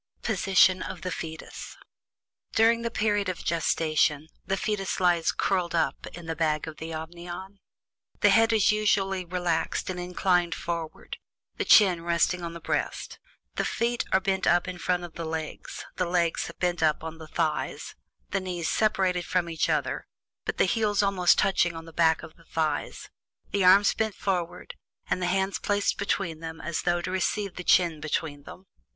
POSITION OF THE FETUS. During the period of gestation the fetus lies "curled up" in the bag of the amnion. The head is usually relaxed and inclined forward, the chin resting on the breast; the feet are bent up in front of the legs, the legs bent up on the thighs, the knees separated from each other, but the heels almost touching on the back of the thighs; the arms bent forward and the hands placed between them as though to receive the chin between them.